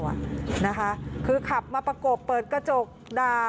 แก้วเหล้าอ่ะนะคะคือขับมาประกบเปิดกระจกด่า